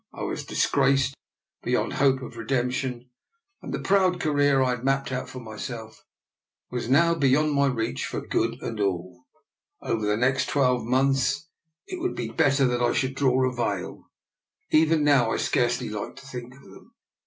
I was disgraced beyond hope of redemption, and the proud career I had mapped out for myself was now beyond my reach for good and all. Over the next twelve months it would DR. NIKOLA'S EXPERIMENT. 23 perhaps be better that I should draw a veil. Even now I scarcely like to think of them.